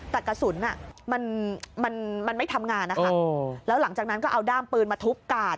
แต่กระสุนมันไม่ทำงานนะคะแล้วหลังจากนั้นก็เอาด้ามปืนมาทุบกาด